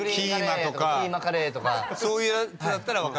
そういうやつだったら。